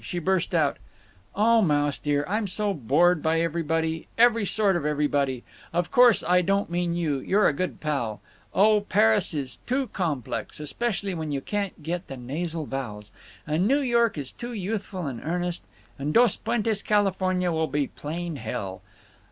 She burst out: "O Mouse dear, I'm so bored by everybody—every sort of everybody…. Of course I don't mean you; you're a good pal…. Oh—Paris is too complex—especially when you can't quite get the nasal vowels—and New York is too youthful and earnest; and Dos Puentes, California, will be plain hell….